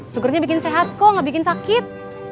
syukurnya bikin sehat kok gak bikin sakit